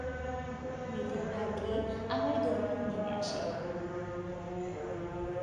মেয়েটির ভাগ্যে আবার দুর্ভোগ নেমে আসে।